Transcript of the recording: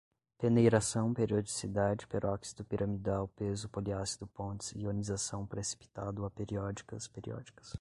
peneiração, periodicidade, peróxido, piramidal, peso, poliácido, pontes, ionização, precipitado, aperiódicas, periódicas